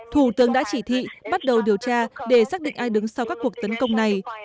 thủ tướng đã chỉ thị bắt đầu điều tra để xác định ai đứng sau các cuộc tấn công này